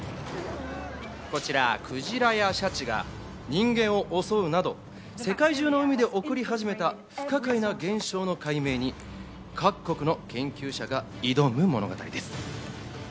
こちら、クジラやシャチが人間を襲うなど世界中の海で起こり始めた不可解な現象の解明に、各国の研究者が挑む物語です。